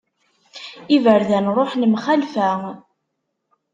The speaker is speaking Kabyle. Iberdan ruḥen mxalfa.